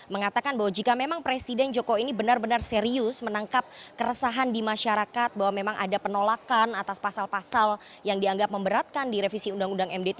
mengatakan bahwa jika memang presiden jokowi ini benar benar serius menangkap keresahan di masyarakat bahwa memang ada penolakan atas pasal pasal yang dianggap memberatkan di revisi undang undang md tiga